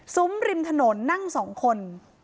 ริมถนนนั่ง๒คน